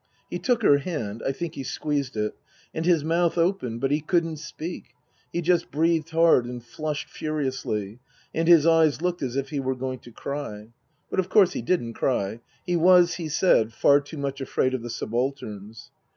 He took her hand (I think he squeezed it), and his mouth opened, but he couldn't speak ; he just breathed hard and flushed furiously ; and his eyes looked as if he were going to cry. But of course he didn't cry. He was, he said, far too much afraid of the subalterns.